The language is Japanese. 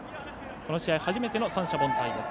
この試合、初めての三者凡退です。